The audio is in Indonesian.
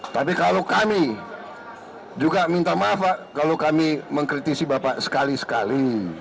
tapi kalau kami juga minta maaf pak kalau kami mengkritisi bapak sekali sekali